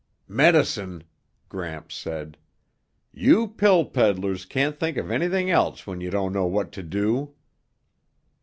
"Medicine!" Gramps said. "You pill peddlers can't think of anything else when you don't know what to do."